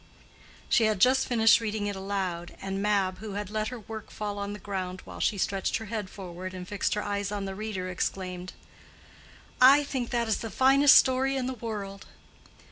She had just finished reading it aloud, and Mab, who had let her work fall on the ground while she stretched her head forward and fixed her eyes on the reader, exclaimed, "I think that is the finest story in the world."